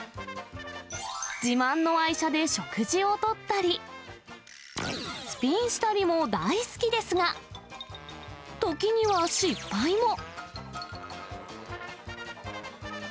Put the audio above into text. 自慢の愛車で食事をとったり、スピンしたりも大好きですが、時には失敗も。